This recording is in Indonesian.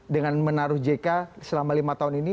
dengan menaruh jk selama lima tahun ini